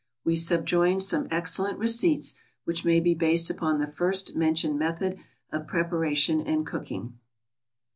We subjoin some excellent receipts, which may be based upon the first mentioned method of preparation and cooking.